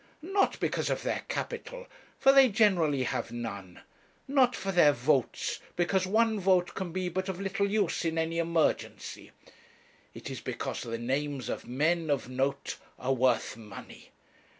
Not because of their capital, for they generally have none; not for their votes, because one vote can be but of little use in any emergency. It is because the names of men of note are worth money.